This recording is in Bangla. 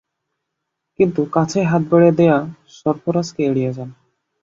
কিন্তু কাছেই হাত বাড়িয়ে দেওয়া সরফরাজকে এড়িয়ে যান।